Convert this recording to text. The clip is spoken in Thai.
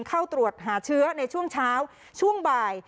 เข้าตรวจหาเชื้อในช่วงเช้าช่วงบ่าย